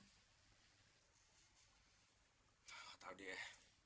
gak tau deh